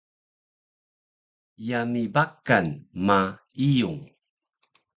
yami Bakan ma Iyung